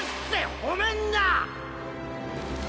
褒めんな！